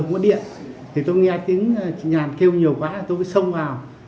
bỏ điện tôi nghe tiếng chị nhàn kêu nhiều quá tôi xông vào